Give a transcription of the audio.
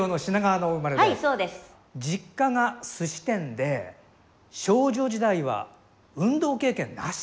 実家がすし店で少女時代は運動経験なし？